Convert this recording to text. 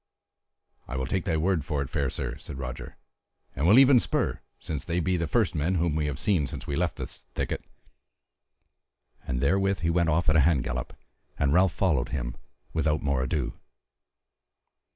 "I will take thy word for it, fair sir," said Roger, "and will even spur, since they be the first men whom we have seen since we left the thickets." And therewith he went off at a hand gallop, and Ralph followed him without more ado.